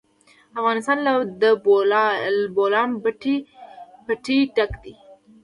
افغانستان له د بولان پټي ډک دی.